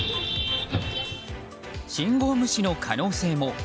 信号無視の可能性も。